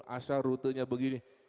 asal rutenya begini